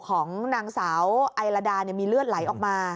ของนางสาวไอลาดามีเลือดไหลออกมา